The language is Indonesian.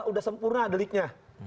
itu udah sempurna deliknya